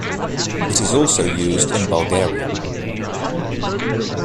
It is also used in Bulgaria.